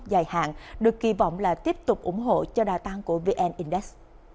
dài hạn được kỳ vọng là tiếp tục ủng hộ cho đa tăng của vn index